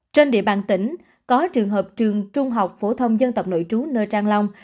trên địa bàn tỉnh có trường hợp trường trung học phổ thông dân tộc nội trú nơi trang long